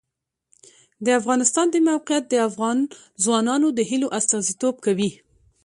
د افغانستان د موقعیت د افغان ځوانانو د هیلو استازیتوب کوي.